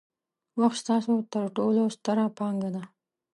وخت ستاسو ترټولو ستره پانګه ده.